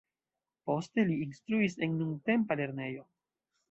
Poste li instruis en nuntempa lernejo.